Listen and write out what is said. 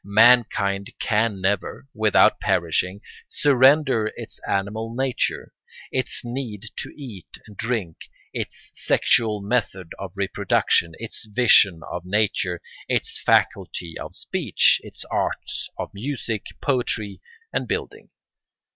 Mankind can never, without perishing, surrender its animal nature, its need to eat and drink, its sexual method of reproduction, its vision of nature, its faculty of speech, its arts of music, poetry, and building.